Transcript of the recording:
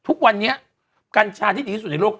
ทุกวันนี้กัญชาที่ดีที่สุดในโลก